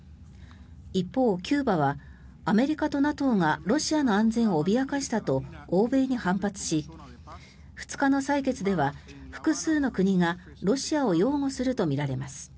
一方、キューバはアメリカとＮＡＴＯがロシアの安全を脅かしたと欧米に反発し２日の採決では複数の国がロシアを擁護するとみられます。